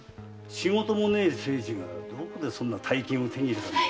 仕事もねえ清次がどこでそんな大金を手に入れたんだ？